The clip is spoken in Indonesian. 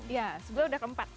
ya sebenarnya udah keempat